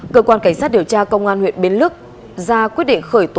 cơ quan cảnh sát điều tra công an huyện bến lức ra quyết định khởi tố